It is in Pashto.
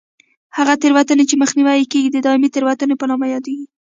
هغه تېروتنې چې مخنیوی یې کېږي د دایمي تېروتنې په نامه یادېږي.